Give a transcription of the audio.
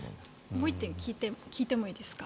もう１点聞いてもいいですか。